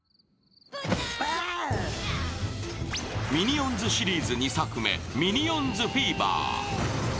「ミニオンズ」シリーズ２作目、「ミニオンズフィーバー」。